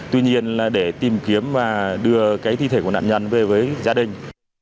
tuy nhiên là để tìm kiếm và đưa cái thi thể của nạn nhân về với gia đình